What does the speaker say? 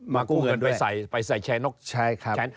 กู้เงินไปใส่ไปใส่แชร์นกใช่ครับ